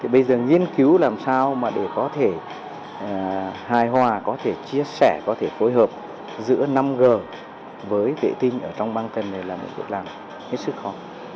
bây giờ nghiên cứu làm sao để có thể hài hòa có thể chia sẻ có thể phối hợp giữa năm g với vệ tinh ở trong băng tần này là một việc làm hết sức khó